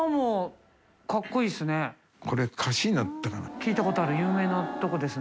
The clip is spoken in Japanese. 聞いたことある有名なとこですね。